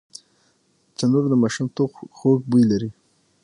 تنور د ماشومتوب خوږ بوی لري